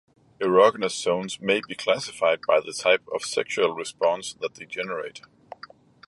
Erogenous zones may be classified by the type of sexual response that they generate.